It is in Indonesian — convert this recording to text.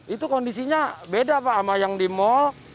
itu kondisinya beda pak sama yang di mal